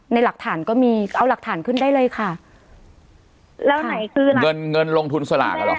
ในหลักฐานก็มีเอาหลักฐานขึ้นได้เลยค่ะแล้วไหนคืนเงินเงินลงทุนสลากอ่ะหรอ